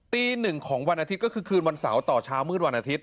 ตีหนึ่งของวันอาทิตย์ก็คือคืนวันเสาร์ต่อเช้ามืดวันอาทิตย